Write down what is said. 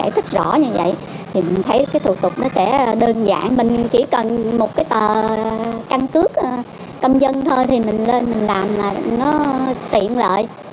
thủ tục nó sẽ đơn giản mình chỉ cần một cái tờ căn cức công dân thôi thì mình lên làm là nó tiện lợi